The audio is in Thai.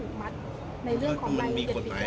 เรื่องอย่างเนี้ยมีเรื่องนำคนมานี้